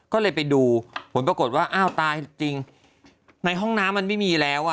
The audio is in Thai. ก็เลยไปดูผลปรากฏว่าอ้าวตายจริงในห้องน้ำมันไม่มีแล้วอ่ะ